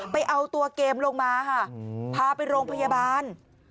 ไปเอาตัวเกมลงมาค่ะพาไปโรงพยาบาล